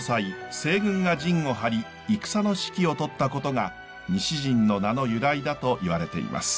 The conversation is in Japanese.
西軍が陣を張り戦の指揮をとったことが西陣の名の由来だといわれています。